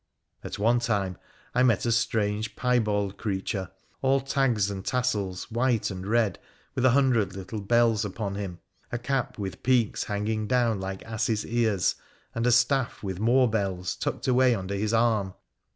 At one time I met a strange piebald creature, all tags and tassels, white and red, with a hundred little bells upon him, a cap with peaks hanging down like asses' ears, and a staff, with more bells, tucked away under his arm.